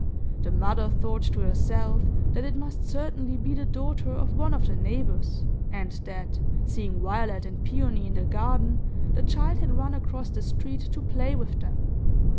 The mother thought to herself that it must certainly be the daughter of one of the neighbors, and that, seeing Violet and Peony in the garden, the child had run across the street to play with them.